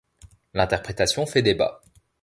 L'interprétation fait débat.